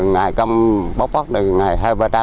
ngày công bốc phát là ngày hai trăm linh ba trăm linh